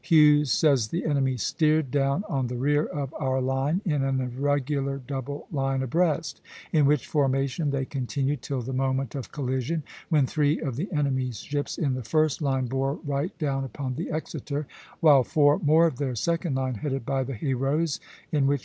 Hughes says the enemy "steered down on the rear of our line in an irregular double line abreast," in which formation they continued till the moment of collision, when "three of the enemy's ships in the first line bore right down upon the 'Exeter,' while four more of their second line, headed by the 'Héros,' in which M.